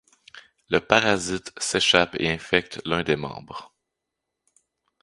Le parasite s'échappe et infecte l'un des membres.